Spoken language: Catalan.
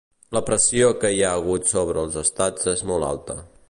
La pressió que hi ha hagut sobre els estats és molt alta.